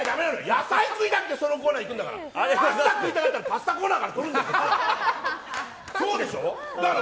野菜食いたくてそのコーナーに行くんだからパスタ食いたかったらパスタコーナー行くんだから。